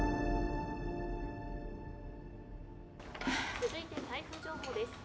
続いて台風情報です。